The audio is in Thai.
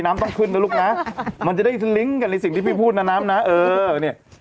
น้ำต้องขึ้นนะลูกนะมันจะได้สลิงก์กันในสิ่งที่พี่พูดนะน้ำนะเออเนี่ย